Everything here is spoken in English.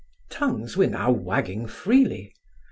Tongues were now wagging freely.